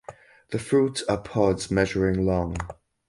The fruits are pods measuring long.